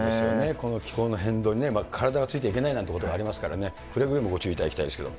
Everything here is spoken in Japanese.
この気候の変動に体がついていけないというようなことがありますからね、くれぐれもご注意いただきたいと思いますけれども。